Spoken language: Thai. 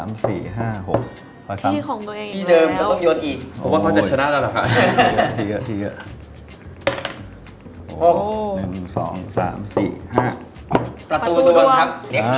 และกี้พับอัลละครับ